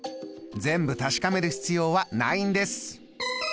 全部確かめる必要はないんです。